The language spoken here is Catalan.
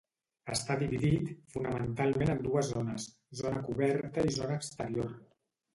Està dividit, fonamentalment en dues zones, Zona Coberta i Zona Exterior.